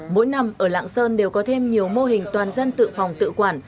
mỗi năm ở lạng sơn đều có thêm nhiều mô hình toàn dân tự phòng tự quản